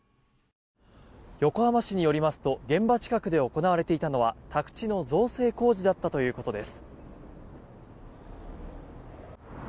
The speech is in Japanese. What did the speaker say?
横浜市によりますと現場近くで行われていたのは宅地の造成工事だったということです。